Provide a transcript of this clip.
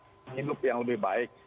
hidup yang lebih baik